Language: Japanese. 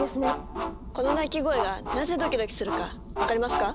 この鳴き声がなぜドキドキするか分かりますか？